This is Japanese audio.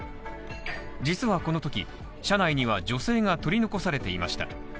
実はこのとき、車内には女性が取り残されていました。